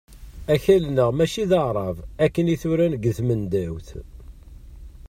Akal-nneɣ mačči d aɛrab akken i t-uran deg tmendawt.